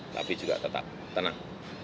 tapi juga tetap tenang